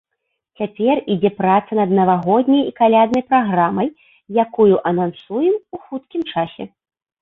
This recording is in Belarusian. Цяпер ідзе праца над навагодняй і каляднай праграмай, якую анансуем у хуткім часе.